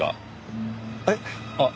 えっ？